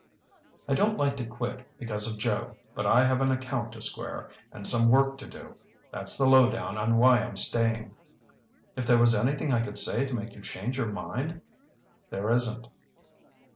"I don't like to quit because of Joe. But I have an account to square and some work to do. That's the low down on why I'm staying." "If there was anything I could say to make you change your mind—" "There isn't."